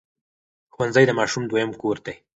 ښوونځی د ماشوم دویم کور دی.